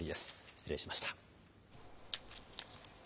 失礼しました。